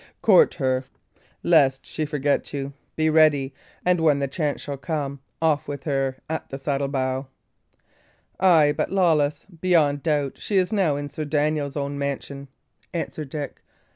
Court her, lest that she forget you. Be ready; and when the chance shall come, off with her at the saddle bow." "Ay, but, Lawless, beyond doubt she is now in Sir Daniel's own mansion." answered Dick.